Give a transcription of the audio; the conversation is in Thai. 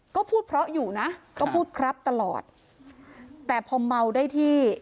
ก็พูดเพราะอยู่นะก็พูดครับตลอดแต่พอเมาได้ที่